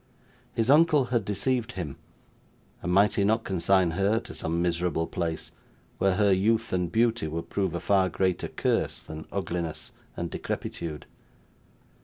His uncle had deceived him, and might he not consign her to some miserable place where her youth and beauty would prove a far greater curse than ugliness and decrepitude?